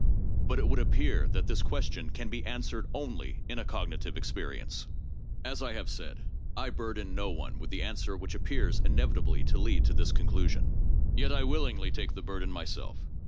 But it would appear that this question can be answered only in a cognitive experience ! As I have said, I burden no one with the answer which appears inevitably to lead to this conclusion. Yet I willingly take the bur den myself.